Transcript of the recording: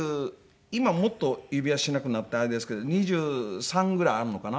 今もっと指輪しなくなったのであれですけど２３ぐらいあるのかな？